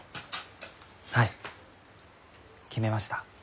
はい決めました。